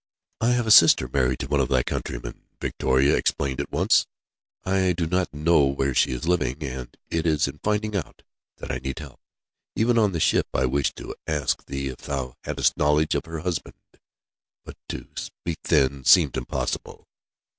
"I have a sister married to one of thy countrymen," Victoria explained at once. "I do not know where she is living, and it is in finding out, that I need help. Even on the ship I wished to ask thee if thou hadst knowledge of her husband, but to speak then seemed impossible.